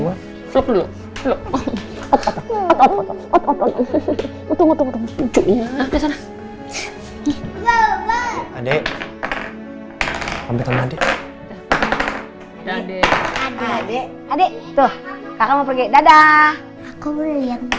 adik adik tuh kakak mau pergi dada aku beli yang pertama dulu ya